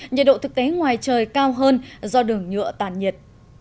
nhiệt độ thực tế ngoài trời cao hơn do đường nhựa tàn nhiệt